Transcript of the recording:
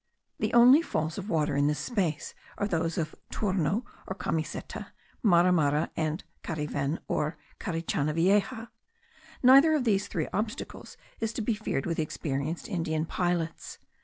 The only falls of water in this space are those of Torno or Camiseta, Marimara, and Cariven or Carichana Vieja. Neither of these three obstacles is to be feared with experienced Indian pilots.